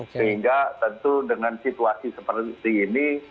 sehingga tentu dengan situasi seperti ini